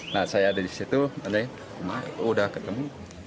nah saya ada di situ udah ketemu